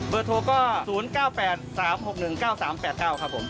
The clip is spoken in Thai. โทรก็๐๙๘๓๖๑๙๓๘๙ครับผม